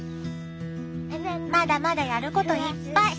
まだまだやることいっぱい。